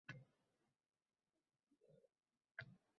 O’z xalqining tilini, madaniyatini, tarixini hurmat qilmagan odamboshqa